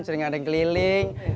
sering ada yang keliling